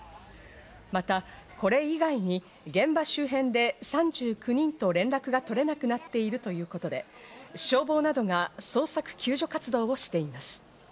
またこれ以外に、現場周辺で３９人と連絡が取れなくなっているということで消防などが捜索救助活動をしています。